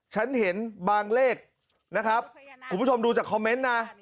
ฉันเห็นบางเลขนะครับคุณผู้ชมดูจากคอมเมนต์นะ